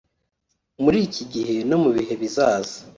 muri iki gihe no mu bihe bizaza